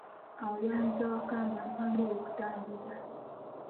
Awo yanziza waka ng'ampa ngoye kutambuza.